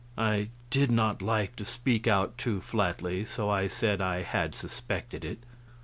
I did not like to speak out too flatly, so I said I had suspected it.